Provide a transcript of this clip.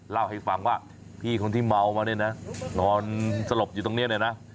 เล่าให้ฟังว่าพี่คนที่เมามาเนี่ยนะนอนสลบอยู่ตรงนี้เนี่ยนะ